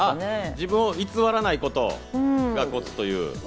自分を偽らないことがコツ。